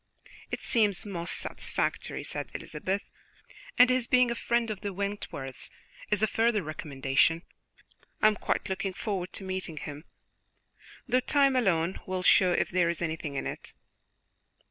"It seems most satisfactory," said Elizabeth, "and his being a friend of the Wentworths is a further recommendation. I am quite looking forward to meeting him, though time alone will show if there is anything in it."